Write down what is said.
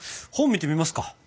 本見てみますか。